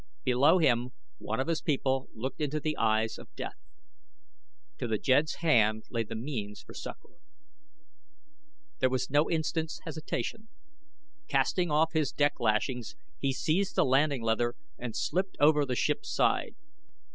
Below him one of his people looked into the eyes of Death. To the jed's hand lay the means for succor. There was no instant's hesitation. Casting off his deck lashings, he seized the landing leather and slipped over the ship's side.